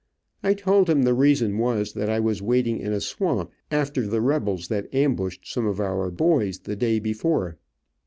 I told him the reason was that I was wading in a swamp, after the rebels that ambushed some of our boys the day before.